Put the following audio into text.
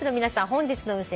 本日の運勢